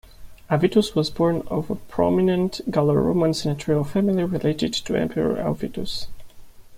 Avitus was born of a prominent Gallo-Roman senatorial family related to Emperor Avitus.